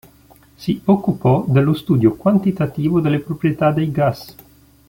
Si occupò dello studio quantitativo delle proprietà dei gas.